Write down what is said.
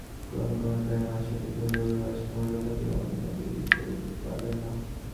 ক্রমে ক্রমে প্রায় মাস অতীত হইল রাজকুমার তথাপি অনুমতি লাভ করিতে পারিলেন না।